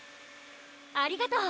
ありがとう！